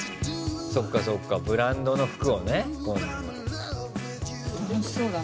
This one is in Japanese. そっかそっかブランドの服をね。